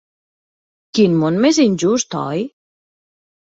Quin món més injust, oi?